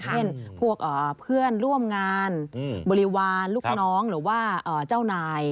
เช่นพวกเพื่อนร่วมงานบริวารลูกน้องหรือว่าเจ้านาย